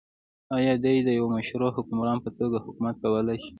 آیا دی د يوه مشروع حکمران په توګه حکومت کولای شي؟